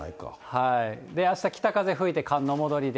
あした、北風吹いて寒の戻りで。